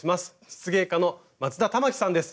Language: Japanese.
漆芸家の松田環さんです。